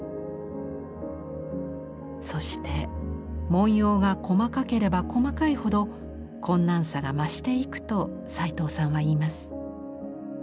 そして文様が細かければ細かいほど困難さが増していくと齊藤さんは言います。